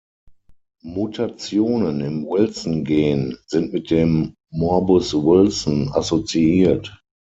Mutationen im Wilson-Gen sind mit dem Morbus Wilson assoziiert.